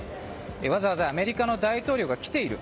わざわざアメリカの大統領が来ている。